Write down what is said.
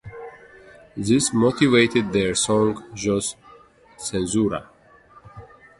This motivated their song Jos cenzura!